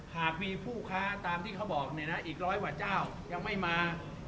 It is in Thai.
หากมีผู้ค้าตามที่เขาบอกเนี่ยนะอีกร้อยกว่าเจ้ายังไม่มา